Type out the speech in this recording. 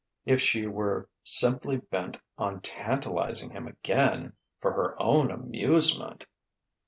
If she were simply bent on tantalizing him again, for her own amusement....